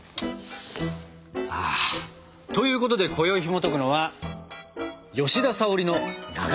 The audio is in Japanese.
あということでこよひもとくのは「吉田沙保里のなが」。